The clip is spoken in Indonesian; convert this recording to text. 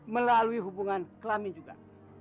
melalui hubungan kelamin juga